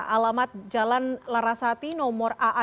alamat jalan larasati nomor aa dua belas